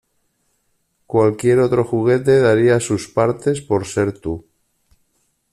Cualquier otro juguete daría sus partes por ser tú.